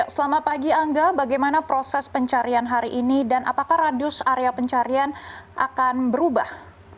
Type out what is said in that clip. selamat pagi angga bagaimana proses pencarian hari ini dan apakah radius area pencarian akan berubah